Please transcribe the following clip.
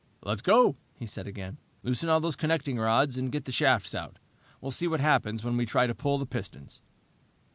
"Let's go," he said again. "Loosen all those connecting rods and get the shafts out. We'll see what happens when we try to pull the pistons."